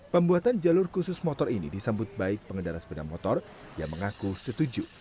pembuatan jalur khusus motor ini disambut baik pengendara sepeda motor yang mengaku setuju